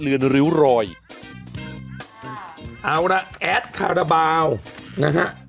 เอาล่ะแอดคาราบาลนะฮะ